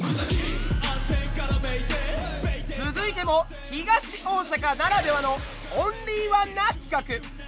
続いても東大阪ならではのオンリーワンな企画！